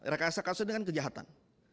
rekayasa kasus ini kan kejahatan